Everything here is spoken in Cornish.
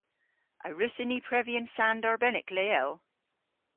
A wrussyn ni previ an sand arbennik leel?